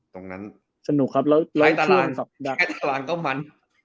ตรงนั้นใช้ตารางก็มัน